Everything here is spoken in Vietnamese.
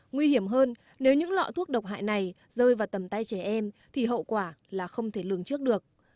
nguy hiểm hơn nếu những lọ thuốc độc hại này rơi vào tầm tay trẻ em thì hậu quả là không thể lường trước được